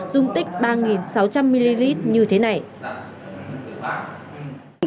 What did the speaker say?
dung tích ba sáu trăm linh ml như trẻ em